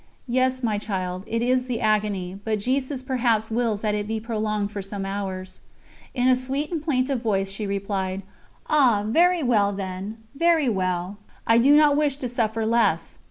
"Yes, my child, it is the agony, but Jesus perhaps wills that it be prolonged for some hours." In a sweet and plaintive voice she replied: "Ah, very well then ... very well ... I do not wish to suffer less!"